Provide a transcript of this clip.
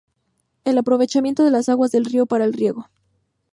El aprovechamiento de las aguas del río para el riego.